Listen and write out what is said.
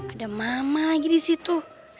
ada mama lagi disitu